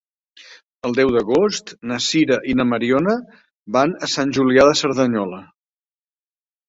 El deu d'agost na Sira i na Mariona van a Sant Julià de Cerdanyola.